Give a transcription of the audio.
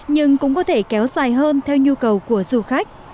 nhưng cũng có thể kéo dài hơn theo nhu cầu của du khách